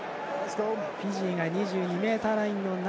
フィジーが２２ｍラインの中。